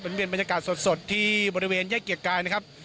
เป็นบรรยากาศสดที่บริเวณแยกเกียรติกายนะครับ